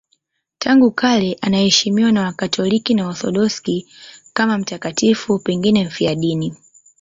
Tangu kale anaheshimiwa na Wakatoliki na Waorthodoksi kama mtakatifu, pengine mfiadini.